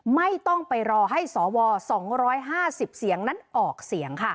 ไม่ต้องไปรอให้สว๒๕๐เสียงนั้นออกเสียงค่ะ